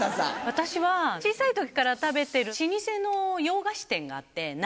私は小さい時から食べてる老舗の洋菓子店があって。